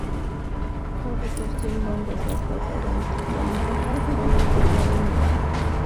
তবে পশ্চিমবঙ্গ সরকার তদন্তে তেমন সহযোগিতা করেনি বলে শুনানিতে জানায় ইডি।